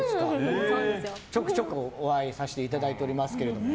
ちょくちょくお会いさせていただいておりますけど。